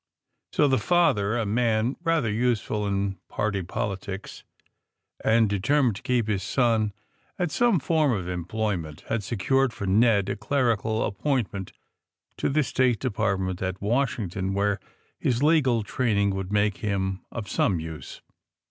So the father, a man rather useful in party politics, and determined to keep his son at some form of employment, had secured for Ned a clerical appointment in the State Department at Washington, where his legal training would make him of some use.